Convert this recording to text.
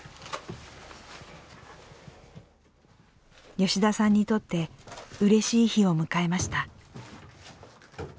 吉田さんにとってうれしい日を迎えました。